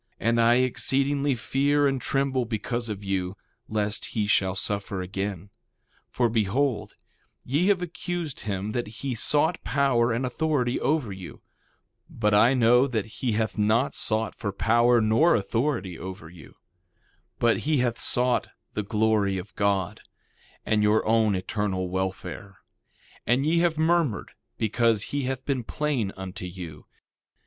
1:25 And I exceedingly fear and tremble because of you, lest he shall suffer again; for behold, ye have accused him that he sought power and authority over you; but I know that he hath not sought for power nor authority over you, but he hath sought the glory of God, and your own eternal welfare. 1:26 And ye have murmured because he hath been plain unto you.